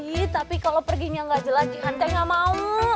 ih tapi kalau perginya nggak jelas jihanta nggak mau